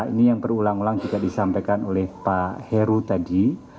ini yang berulang ulang juga disampaikan oleh pak heru tadi